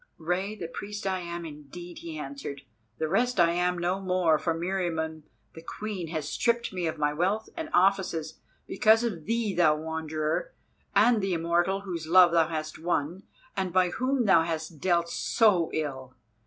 "Rei the Priest I am indeed," he answered, "the rest I am no more, for Meriamun the Queen has stripped me of my wealth and offices, because of thee, thou Wanderer, and the Immortal whose love thou hast won, and by whom thou hast dealt so ill.